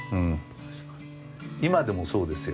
今でもそうですよ。